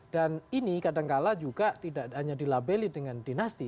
dan ini kadangkala juga tidak hanya dilabeli dengan dinasti